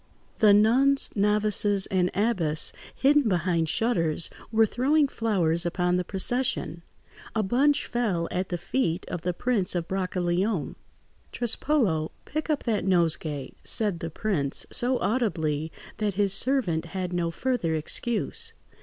The nuns, novices, and abbess, hidden behind shutters, were throwing flowers upon the procession. A bunch fell at the feet of the Prince of Brancaleone. "Trespolo, pick up that nosegay," said the prince, so audibly that his servant had no further excuse.